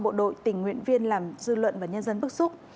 bộ đội tình nguyện viên làm dư luận và nhân dân bức xúc